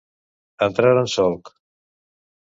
Entrar en solc.